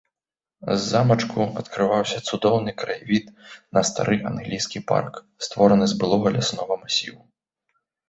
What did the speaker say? З замачку адкрываўся цудоўны краявід на стары англійскі парк, створаны з былога ляснога масіву.